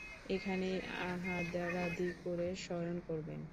এইখানেই আহারাদি করে শয়ন করবেন।